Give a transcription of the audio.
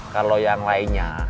kalau yang lainnya